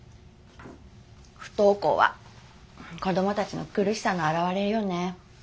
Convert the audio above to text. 不登校は子供たちの苦しさの表れよね。